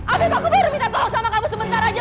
afif aku baru minta tolong sama kamu sebentar aja